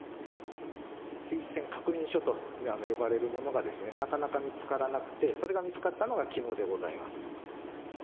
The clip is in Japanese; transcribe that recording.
推薦確認書と呼ばれるものが、なかなか見つからなくて、それが見つかったのがきのうでございます。